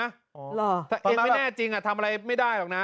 หรอแต่เองไม่แน่จริงอ่ะทำอะไรไม่ได้หรอกน่ะ